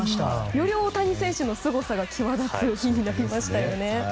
より大谷選手のすごさが際立つ日になりましたね。